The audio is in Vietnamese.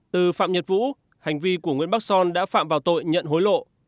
từ phạm nhật vũ hành vi của nguyễn bắc son đã phạm vào tội nhận hối lộ